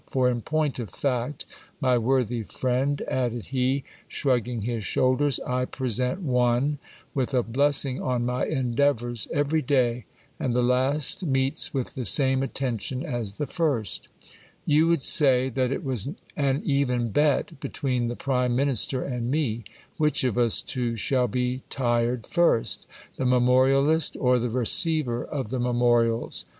For in point of fact, my worthy friend, added he, shrug ging his shoulders, I present one, with a blessing on my endeavours, every day, and the last meets with the same attention as the first You would say that it was an even bet between the prime minister and me, which of us two shall be tired first ; the memorialist or the receiver of the memorials.